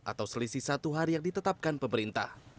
atau selisih satu hari yang ditetapkan pemerintah